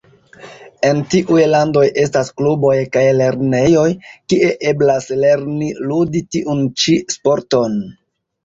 En tiuj landoj estas kluboj kaj lernejoj, kie eblas lerni ludi tiun ĉi sporton.